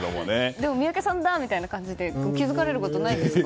でも宮家さんだみたいな感じで気づかれることないですか？